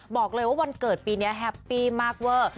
บอกเลยว่าวันเกิดปีนี้แฮปปี้มากเวอร์